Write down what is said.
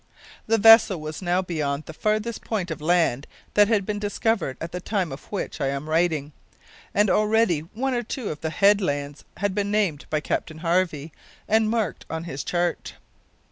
The vessel was now beyond the farthest point of land that had been discovered at the time of which I am writing, and already one or two of the headlands had been named by Captain Harvey and marked on his chart.